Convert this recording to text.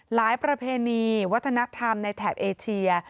ประเพณีวัฒนธรรมในแถบเอเชีย